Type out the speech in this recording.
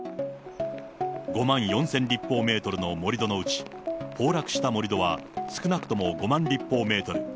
５万４０００立方メートルの盛り土のうち、崩落した盛り土は少なくとも５万立方メートル。